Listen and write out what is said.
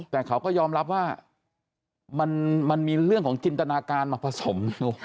แต่เขาก็ยอมรับว่ามันมีเรื่องของจินตนาการมาผสมอยู่